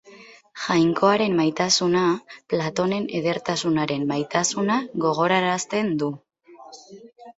Jainkoaren maitasuna Platonen edertasunaren maitasuna gogorarazten du.